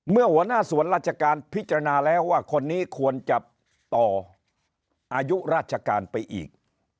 หัวหน้าส่วนราชการพิจารณาแล้วว่าคนนี้ควรจะต่ออายุราชการไปอีก